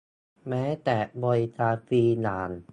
แม้แต่บริการฟรีอย่าง